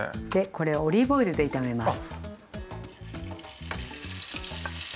これオリーブオイルで炒めます。